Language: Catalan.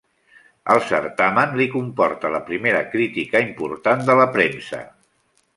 El certamen li comporta la primera crítica important de la premsa.